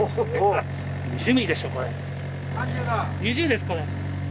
２０ですこれ。